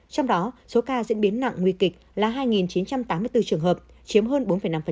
trong đó số ca diễn biến nặng nguy kịch là hai chín trăm tám mươi bốn trường hợp chiếm hơn bốn năm